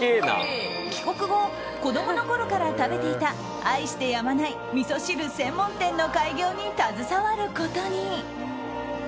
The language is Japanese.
帰国後子供のころから食べていた愛してやまないみそ汁専門店の開業に携わることに。